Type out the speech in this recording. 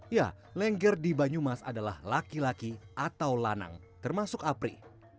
ya lengger di banyumas adalah laki laki atau lanang termasuk apri